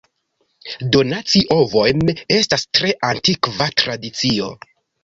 Donaci ovojn estas tre antikva tradicio.